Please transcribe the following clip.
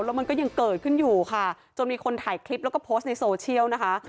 แล้วมันก็ยังเกิดขึ้นอยู่ค่ะจนมีคนถ่ายคลิปแล้วก็โพสต์ในโซเชียลนะคะ